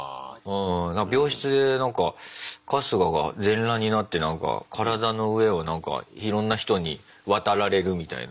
病室でなんか春日が全裸になって体の上をなんかいろんな人に渡られるみたいな。